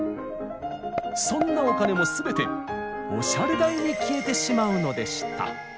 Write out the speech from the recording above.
そんなお金も全てオシャレ代に消えてしまうのでした。